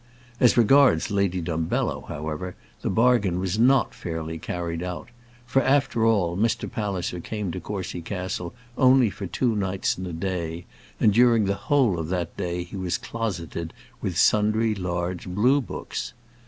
As regards Lady Dumbello, however, the bargain was not fairly carried out; for, after all, Mr. Palliser came to Courcy Castle only for two nights and a day, and during the whole of that day he was closeted with sundry large blue books.